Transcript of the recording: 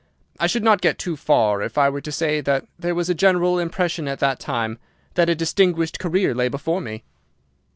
I should not go too far if I were to say that there was a general impression at that time that a distinguished career lay before me.